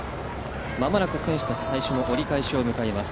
間もなく選手たち、最初の折り返しを迎えます。